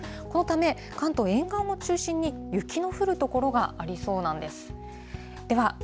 このため、関東沿岸を中心に、雪の降る所がありそうなんです。